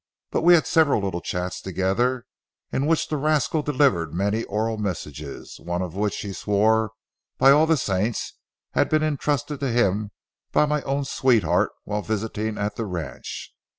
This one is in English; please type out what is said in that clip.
But we had had several little chats together, in which the rascal delivered many oral messages, one of which he swore by all the saints had been intrusted to him by my own sweetheart while visiting at the ranch.